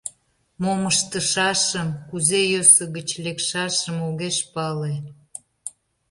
Мом ыштышашым, кузе йӧсӧ гыч лекшашым огеш пале.